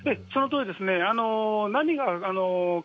そのとおりですね。